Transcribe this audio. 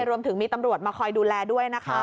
รวมถึงมีตำรวจมาคอยดูแลด้วยนะคะ